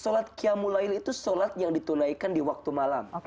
salat qiyamul layl itu salat yang ditunaikan di waktu malam